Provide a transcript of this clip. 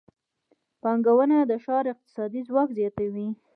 پانګونه د ښار اقتصادي ځواک زیاتوي.